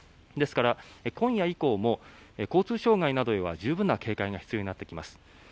ですから、今夜以降も交通障害などへは十分な警戒が必要になってきます。